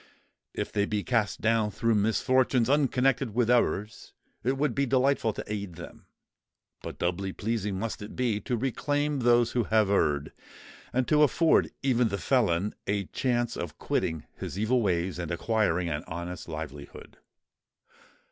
If they be cast down through misfortunes unconnected with errors, it would be delightful to aid them: but doubly pleasing must it be to reclaim those who have erred, and to afford even the felon a chance of quitting his evil ways and acquiring an honest livelihood."